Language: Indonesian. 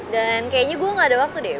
dan kayaknya gue gak ada waktu deh